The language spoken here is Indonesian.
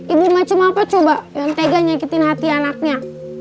ibu macem apa coba yang tega nyakitin hati anaknya